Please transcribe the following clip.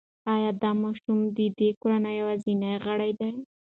ایا دا ماشوم د دې کورنۍ یوازینی غړی دی؟